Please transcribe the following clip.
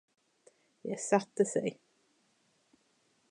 De satte sig.